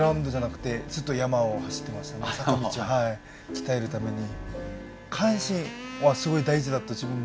鍛えるために。